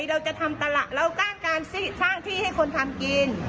เราจะทำตลาดเราสร้างการสร้างที่ให้คนทำกิน